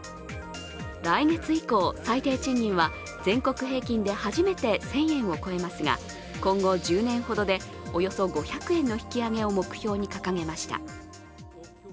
来月以降、最低賃金は全国平均で初めて１０００円を超えますが、今後１０年ほどでおよそ５００円の引き上げを目標に掲げました。